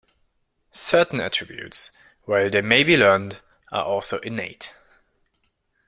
Certain attributes, while they may be learned, are also innate.